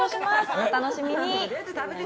お楽しみに。